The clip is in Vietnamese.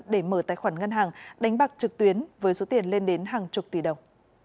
để mở tài khoản ngân hàng đánh bạc trực tuyến với số tiền lên đến hàng chục tỷ đồng